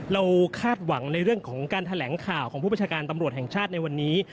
คาดหวังในเรื่องของการแถลงข่าวของผู้ประชาการตำรวจแห่งชาติในวันนี้